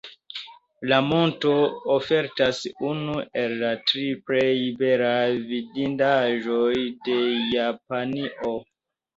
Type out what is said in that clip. La monto ofertas unu el la tri plej belaj vidindaĵoj de Japanio.